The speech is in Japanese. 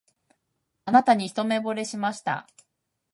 あなたに一目ぼれしました